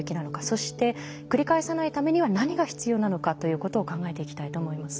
そして繰り返さないためには何が必要なのかということを考えていきたいと思います。